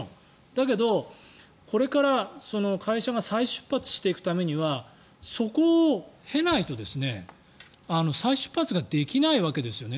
だけど、これから会社が再出発していくためにはそこを経ないと再出発ができないわけですよね。